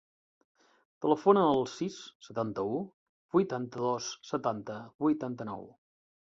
Telefona al sis, setanta-u, vuitanta-dos, setanta, vuitanta-nou.